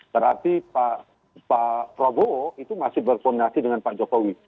berarti pak prabowo itu masih berkoordinasi dengan pak jokowi